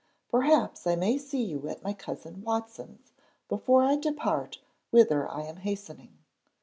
Perhaps I may see you at my cousin Watson's before I depart whither I am hastening.'